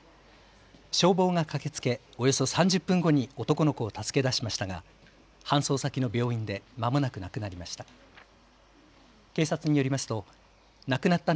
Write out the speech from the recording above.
消防が駆けつけおよそ３０分後に男の子を助け出しましたが搬送先の病院でまもなく亡くなりました。